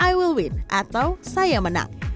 i will win atau saya menang